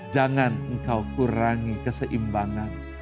jangan engkau kurangi keseimbangan